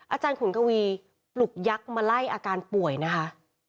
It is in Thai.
อาจารย์ขุนกวีปลุกยักษ์มาไล่อาการป่วยนะคะ